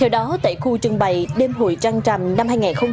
đó tại khu trưng bày đêm hội trăng rằm năm hai nghìn hai mươi ba